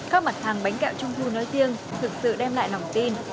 các mặt hàng bánh kẹo trung thu nói riêng thực sự đem lại lòng tin